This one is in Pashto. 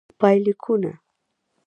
پایلیکونه: